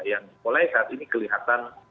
yang mulai saat ini kelihatan